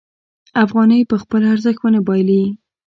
افغانۍ به خپل ارزښت ونه بایلي.